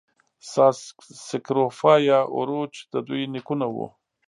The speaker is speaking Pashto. ساس سکروفا یا اوروچ د دوی نیکونه وو.